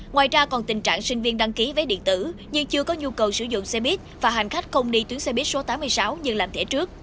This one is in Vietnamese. ngoài ra còn tình trạng sinh viên đăng ký vé điện tử nhưng chưa có nhu cầu sử dụng xe buýt và hành khách không đi tuyến xe buýt số tám mươi sáu nhưng làm thể trước